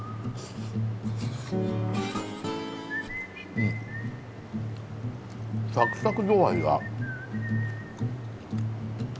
うんサクサク度合いがすごい。